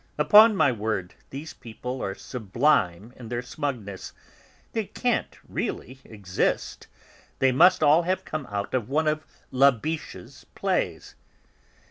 Upon my word, these people are sublime in their smugness; they can't really exist; they must all have come out of one of Labiche's plays!"